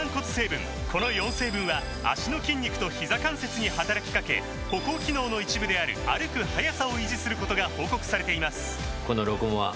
この４成分は脚の筋肉とひざ関節に働きかけ歩行機能の一部である歩く速さを維持することが報告されています